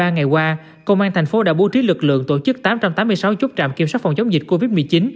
ba ngày qua công an thành phố đã bố trí lực lượng tổ chức tám trăm tám mươi sáu chốt trạm kiểm soát phòng chống dịch covid một mươi chín